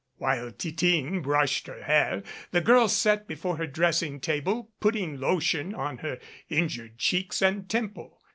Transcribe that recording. While Titine brushed her hair, the girl sat before her dressing table putting lotion on her injured cheeks and temple.